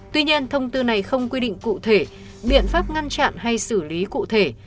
tuy nhiên thông tư này không quy định cụ thể biện pháp ngăn chặn hay xử lý cụ thể